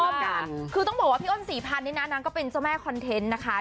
คือต้องบอกว่าพี่อ้นสี่พันเนี่ยนะนางก็เป็นเจ้าแม่คอนเทนต์นะคะ